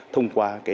thông qua cái